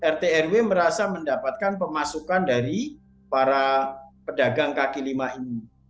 rt rw merasa mendapatkan pemasukan dari para pedagang kaki lima ini